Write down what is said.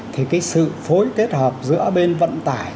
thì sự phối kết hợp giữa bên vận tải